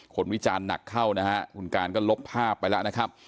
วิจารณ์หนักเข้านะฮะคุณการก็ลบภาพไปแล้วนะครับ